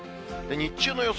日中の予想